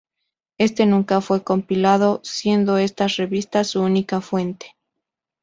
Este nunca fue compilado, siendo esas revistas su única fuente.